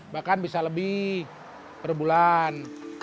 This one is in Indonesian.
bahkan bisa lebih perbulan